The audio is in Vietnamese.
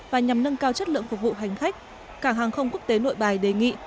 và nhằm nâng cao chất lượng phục vụ hành khách cảng hàng không quốc tế nội bài đề nghị